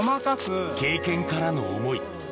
経験からの思い